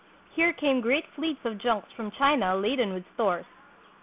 Here came great fleets of junks from China laden with stores.